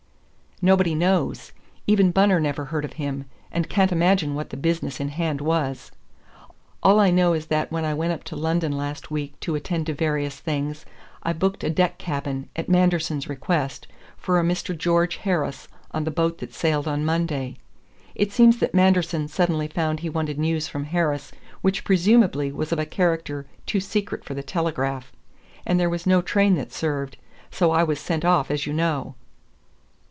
"Nobody knows. Even Bunner never heard of him, and can't imagine what the business in hand was. All I know is that when I went up to London last week to attend to various things I booked a deck cabin, at Manderson's request, for a Mr. George Harris on the boat that sailed on Monday. It seems that Manderson suddenly found he wanted news from Harris which presumably was of a character too secret for the telegraph; and there was no train that served; so I was sent off as you know."